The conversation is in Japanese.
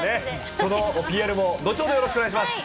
そのＰＲも後ほどよろしくお願いします。